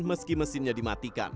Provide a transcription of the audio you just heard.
meski mesinnya dimatikan